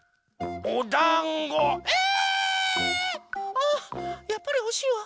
あやっぱりほしいわ。